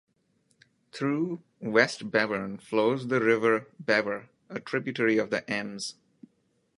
Through Westbevern flows the river Bever, a tributary of the Ems.